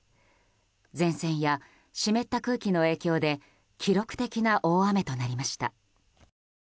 前線や湿った空気の影響で記録的な大雨となりました。